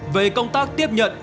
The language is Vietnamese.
về công tác tiếp nhận